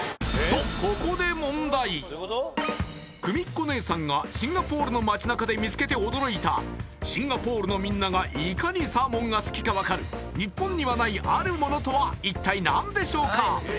くみっこ姉さんがシンガポールの街なかで見つけて驚いたシンガポールのみんながいかにサーモンが好きかわかる日本にはないあるモノとは一体何でしょうか？